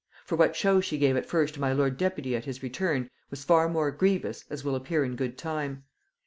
For what show she gave at first to my lord deputy at his return, was far more grievous, as will appear in good time.